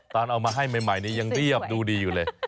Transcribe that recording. ตอนเอามาให้ใหม่นี้ยังเรียบดูดีอยู่เลย